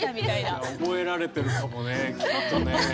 いや覚えられてるかもねきっとね。